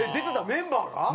メンバーが。